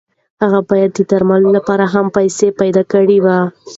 هغه باید د درملو لپاره هم پیسې پیدا کړې وای.